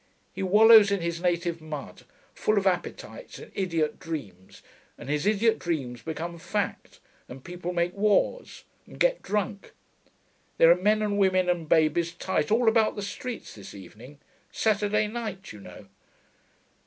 He wallows in his native mud, full of appetites and idiot dreams, and his idiot dreams become fact, and people make wars ... and get drunk. There are men and women and babies tight all about the streets this evening. Saturday night, you know....